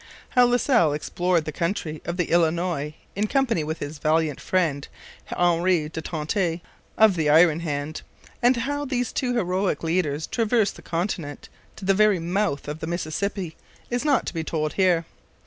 How La Salle explored the country of the Illinois in company with his valiant friend, Henri de Tonty 'of the iron hand,' and how these two heroic leaders traversed the continent to the very mouth of the Mississippi, is not to be told here.